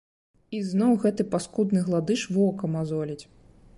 І зноў гэты паскудны гладыш вока мазоліць.